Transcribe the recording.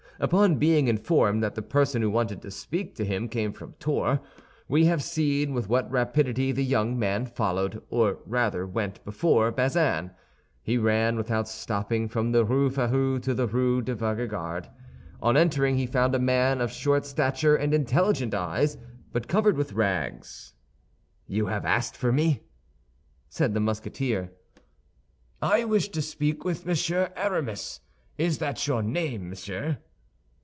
Upon being informed that the person who wanted to speak to him came from Tours, we have seen with what rapidity the young man followed, or rather went before, Bazin; he ran without stopping from the Rue Férou to the Rue de Vaugirard. On entering he found a man of short stature and intelligent eyes, but covered with rags. "You have asked for me?" said the Musketeer. "I wish to speak with Monsieur Aramis. Is that your name, monsieur?"